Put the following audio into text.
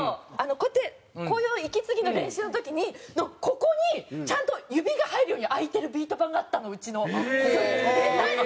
こうやってこういう息継ぎの練習の時のここにちゃんと指が入るように空いてるビート板があったのうちのスクール。